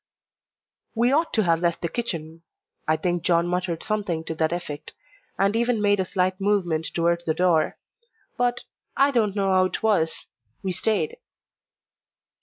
We ought to have left the kitchen: I think John muttered something to that effect, and even made a slight movement towards the door; but I don't know how it was we stayed.